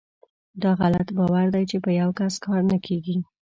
داغلط باور دی چې په یوکس کار نه کیږي .